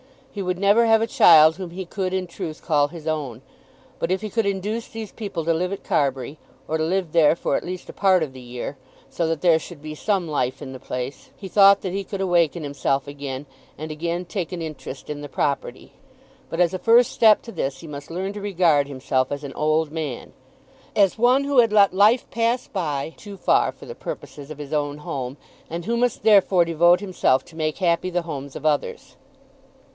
He would never have a child whom he could in truth call his own. But if he could induce these people to live at Carbury, or to live there for at least a part of the year, so that there should be some life in the place, he thought that he could awaken himself again, and again take an interest in the property. But as a first step to this he must learn to regard himself as an old man, as one who had let life pass by too far for the purposes of his own home, and who must therefore devote himself to make happy the homes of others.